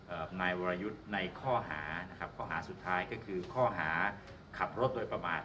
นายวรยุทธ์ในข้อหานะครับข้อหาสุดท้ายก็คือข้อหาขับรถโดยประมาท